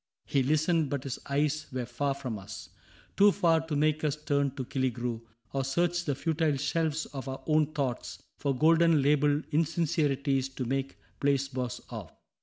" He listened, but his eyes were far from us — Too far to make us turn to Killigrew, Or search the futile shelves of our own thoughts For golden labeled insincerities To make placebos of.